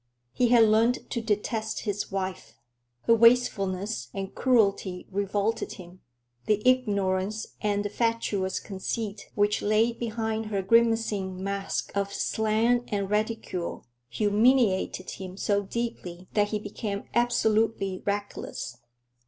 He had learned to detest his wife. Her wastefulness and cruelty revolted him. The ignorance and the fatuous conceit which lay behind her grimacing mask of slang and ridicule humiliated him so deeply that he became absolutely reckless.